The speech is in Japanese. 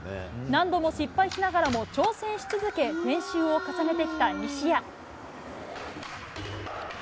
何度も失敗しながらも挑戦し続け、練習を重ねてきた西矢。